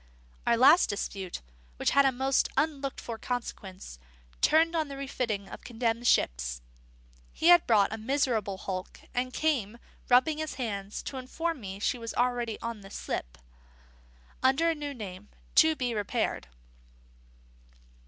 Our last dispute, which had a most unlooked for consequence, turned on the refitting of condemned ships. He had bought a miserable hulk, and came, rubbing his hands, to inform me she was already on the slip, under a new name, to be repaired.